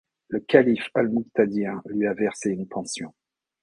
Le calife Al-Muqtadir lui a versé une pension.